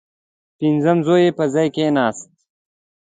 پنځم زوی یې پر ځای کښېنستی.